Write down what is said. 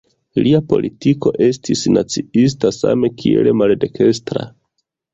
Lia politiko estis naciista same kiel maldekstra.